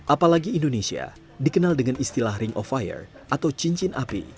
apalagi indonesia dikenal dengan istilah ring of fire atau cincin api